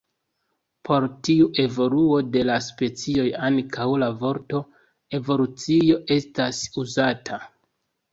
Por tiu evoluo de la specioj ankaŭ la vorto "evolucio" estas uzata.